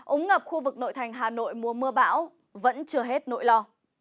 ổng ngập khu vực nội thành hà nội mùa mưa bão vẫn chưa hết nội lo